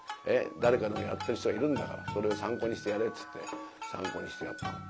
誰かのやってる人はいるんだからそれを参考にしてやれ」っつって参考にしてやったの。